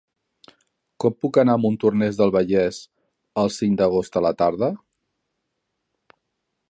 Com puc anar a Montornès del Vallès el cinc d'agost a la tarda?